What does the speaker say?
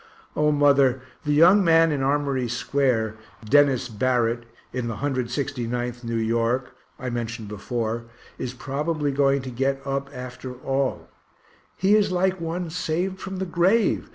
O mother, the young man in Armory square, Dennis Barrett, in the 169th N. Y., I mentioned before, is probably going to get up after all; he is like one saved from the grave.